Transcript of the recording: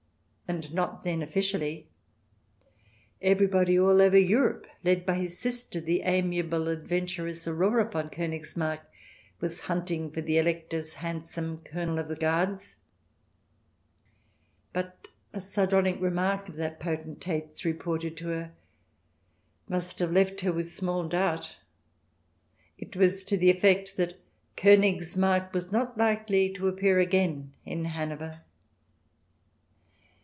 And not then officially. Everybody all over Europe, led by his sister, the amiable adventuress, Aurora von Konigsmarck, was 234 THE DESIRABLE ALIEN [ch. xvii hunting for the Elector's handsome Colonel of the Guards. But a sardonic remark of that potentate's, reported to her, must have left her with small doubt. It was to the effect that Konigsmarck was not likely to appear again in Hanover.